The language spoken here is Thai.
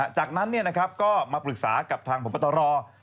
จากนั้นก็มาปรึกษากับทางผู้ปฏรรอบ